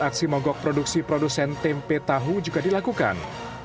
aksi mogok produksi produsen tempe tahu juga dilakukan